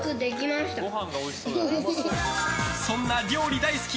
そんな料理大好き